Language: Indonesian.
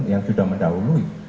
yang sudah mendahului